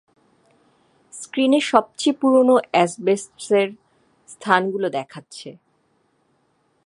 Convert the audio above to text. স্ক্রিনে সবচেয়ে পুরোনো অ্যাসবেস্টসের স্থানগুলো দেখাচ্ছে।